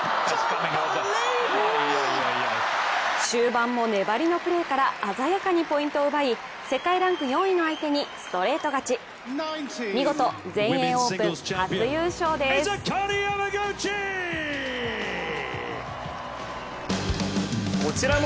終盤も粘りのプレーから鮮やかにポイントを奪い、世界ランク４位の相手にストレート勝ち。